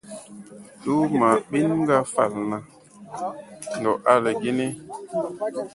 Ūuu maa ɓin ga Falna. Ndɔ a le ge ne ?